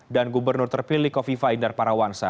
dan gubernur terpilih kofifa indar parawansa